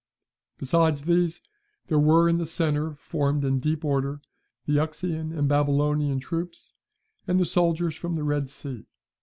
Besides these, there were in the centre, formed in deep order, the Uxian and Babylonian troops, and the soldiers from the Red Sea.